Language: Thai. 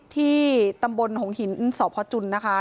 ที่ตำบลหงหินสพจุนนะคะ